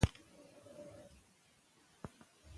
که خویندې تذکره ولري نو هویت به نه ورکيږي.